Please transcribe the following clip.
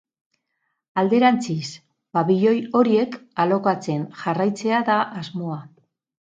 Alderantziz, pabilioi horiek alokatzen jarraitzea da asmoa.